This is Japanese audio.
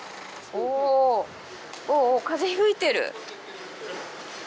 おぉおぉ風吹いてる！